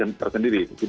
dan juga bagi riseg siap